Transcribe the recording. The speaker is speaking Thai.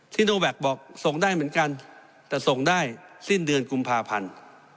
โนแวคบอกส่งได้เหมือนกันแต่ส่งได้สิ้นเดือนกุมภาพันธ์